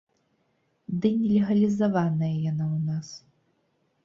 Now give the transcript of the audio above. Ды не легалізаваная яна ў нас!